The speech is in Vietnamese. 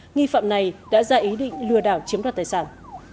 nghi phạm này đã ra ý định lừa đảo chiếm đoạt tài sản